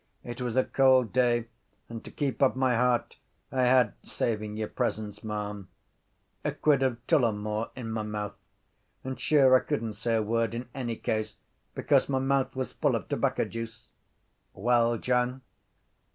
It was a cold day and to keep up my heart I had (saving your presence, ma’am) a quid of Tullamore in my mouth and sure I couldn’t say a word in any case because my mouth was full of tobacco juice. —Well, John?